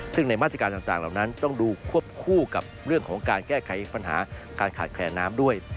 ซึ่งในมาตรการต่างเหล่านั้นต้องดูควบคู่กับเรื่องของการแก้ไขปัญหาการขาดแคลนน้ำด้วย